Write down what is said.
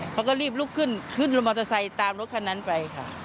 เขาก็รีบลุกขึ้นขึ้นรถมอเตอร์ไซค์ตามรถคันนั้นไปค่ะ